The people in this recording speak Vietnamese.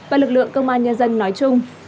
và lực lượng công an nhân dân nói chung